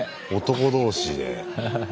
男同士で。